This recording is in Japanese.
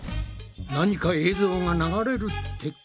何か映像が流れるってことか？